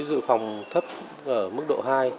dự phòng thấp mức độ hai